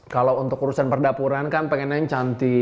kalau untuk urusan perdapuran kan pengennya yang cantik